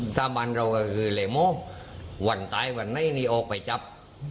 สาบันเราก็คือเลยโมวันตายวันไหนนี่ออกไปจับ